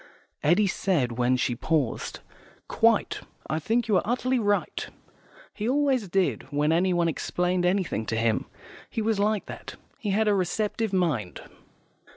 Eddy said when she paused, "Quite. I think you are utterly right." He always did, when anyone explained anything to him; he was like that; he had a receptive mind.